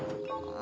あ。